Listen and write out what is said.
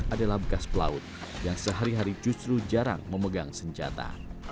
adalah bekas pelaut yang sehari hari justru jarang memegang senjata